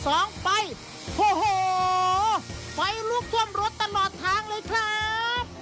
โอ้โหไฟลุกท่วมรถตลอดทางเลยครับ